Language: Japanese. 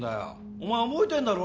お前覚えてんだろ？